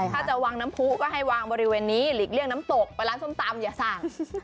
ถ้าจะวางน้ำผู้ก็ให้วางบริเวณนี้หลีกเลี่ยงน้ำตกไปร้านส้มตำอย่าสั่ง